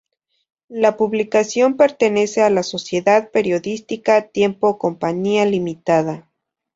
La publicación pertenece a la Sociedad Periodística Tiempo Compañía Limitada.